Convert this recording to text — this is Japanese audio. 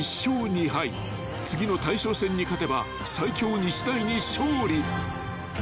［次の大将戦に勝てば最強日大に勝利］